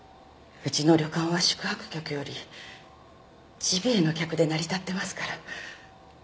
うちの旅館は宿泊客よりジビエの客で成り立ってますから。